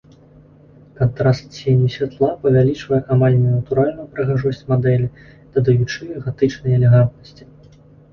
Кантраст ценю і святла павялічвае амаль ненатуральную прыгажосць мадэлі, дадаючы ёй гатычнай элегантнасці.